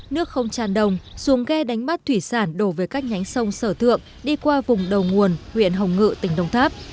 nước không tràn đồng xuống ghe đánh bắt thủy sản đổ về các nhánh sông sở thượng đi qua vùng đầu nguồn huyện hồng ngự tỉnh đồng tháp